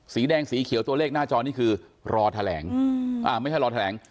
สีแดงสีเขียวตัวเลขหน้าจอนี่คือรอแถลง